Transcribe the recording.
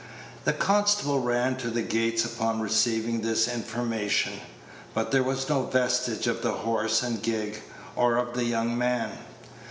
The constable ran to the gates upon receiving this information; but there was no vestige of the horse and gig, or of the young man.